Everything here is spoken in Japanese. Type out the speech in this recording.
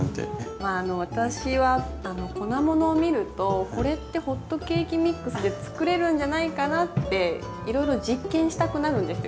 まあ私は粉ものを見るとこれってホットケーキミックスで作れるんじゃないかなっていろいろ実験したくなるんですよ。